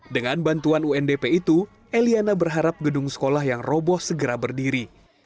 dengan bantuan undp itu eliana berharap gedung sekolah yang roboh segera berdiri